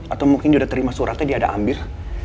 atau mungkin dia udah terima suratnya dia ada ambil